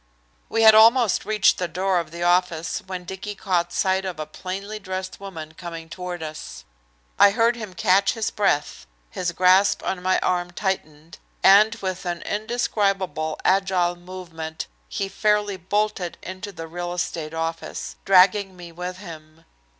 We had almost reached the door of the office when Dicky caught sight of a plainly dressed woman coming toward us. I heard him catch his breath, his grasp on my arm tightened, and with an indescribable agile movement he fairly bolted into the real estate office, dragging me with him.